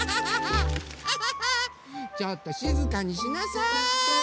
ちょっとしずかにしなさい！